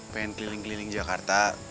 pengen keliling keliling jakarta